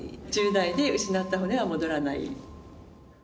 １０代で失った骨は戻らない。